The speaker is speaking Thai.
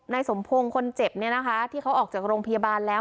ในสมพงศ์คนเจ็บที่เขาออกจากโรงพยาบาลแล้ว